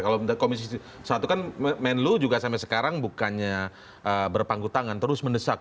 kalau komisi satu kan menlu juga sampai sekarang bukannya berpanggu tangan terus mendesak